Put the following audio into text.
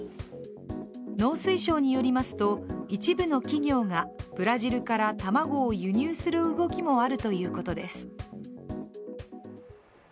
農水省によりますと一部の企業がブラジルから卵を輸入する動きもあるということです。